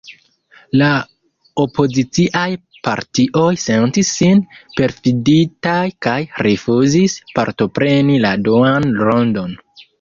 La opoziciaj partioj sentis sin perfiditaj kaj rifuzis partopreni la duan rondon.